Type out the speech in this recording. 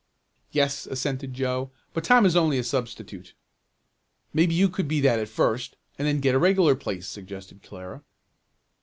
"Yes," assented Joe, "but Tom is only a substitute." "Maybe you could be that at first, and then get a regular place," suggested Clara.